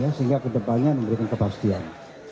sehingga kedepannya memberikan kepastian